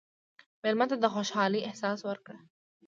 مېلمه ته د خوشحالۍ احساس ورکړه.